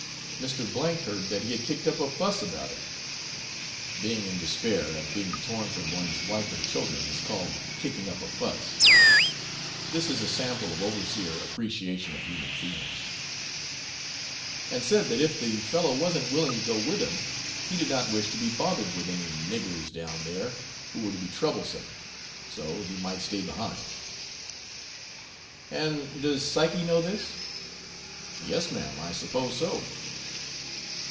Mr. K heard that he had kicked up a fuss about it (being in despair at being torn from one's wife and children is called kicking up a fuss; this is a sample of overseer appreciation of human feelings), and said that if the fellow wasn't willing to go with him, he did not wish to be bothered with any niggers down there who were to be troublesome, so he might stay behind.' 'And does Psyche know this?' 'Yes, ma'am, I suppose so.'